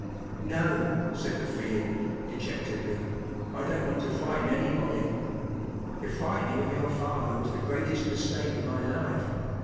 “ No,” said the Fiend, dejectedly, “ I don’t want to frighten anybody. The frightening of your father was the greatest mistake of my life.